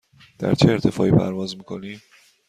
در چه ارتفاعی پرواز می کنیم؟